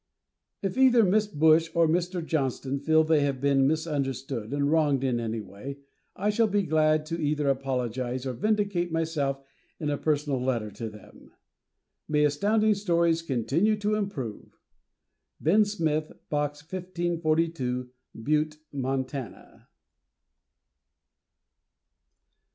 If either Miss Bush or Mr. Johnston feel that they have been misunderstood and wronged in any way I shall be glad to either apologize or vindicate myself in a personal letter to them. May Astounding Stories continue to improve! Ben Smith, Box 1542, Butte, Montana.